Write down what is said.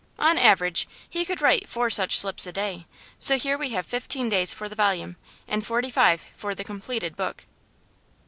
On an average he could write four such slips a day; so here we have fifteen days for the volume, and forty five for the completed book.